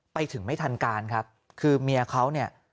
ไปถึงไม่ทันการครับคือเมียเขาเนี่ย